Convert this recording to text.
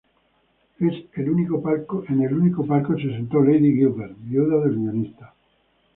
En el único palco se sentó Lady Gilbert, viuda del guionista.